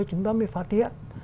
chúng ta mới phát hiện